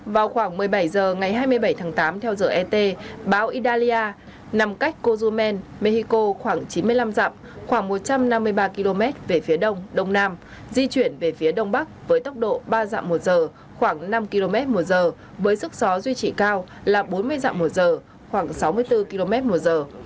vào khoảng một mươi bảy h ngày hai mươi bảy tháng tám theo giờ et báo idalia nằm cách cozumel mexico khoảng chín mươi năm dặm khoảng một trăm năm mươi ba km về phía đông đông nam di chuyển về phía đông bắc với tốc độ ba dặm một giờ khoảng năm km một giờ với sức gió duy trì cao là bốn mươi dặm một giờ khoảng sáu mươi bốn km một giờ